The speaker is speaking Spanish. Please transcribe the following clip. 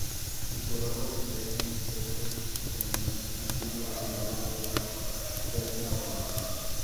El trabajo recae en Peter Donovan, antiguo ayudante del Fraile Adán.